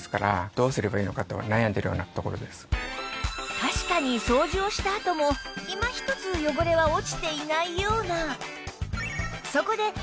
確かに掃除をしたあともいま一つ汚れは落ちていないような